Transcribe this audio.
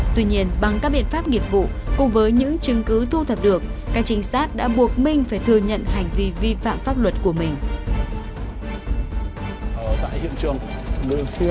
tuy nhiên bằng các biện pháp nghiệp vụ cùng với những chứng cứ thu thập được các trinh sát đã buộc minh phải thừa nhận hành vi vi phạm pháp luật của mình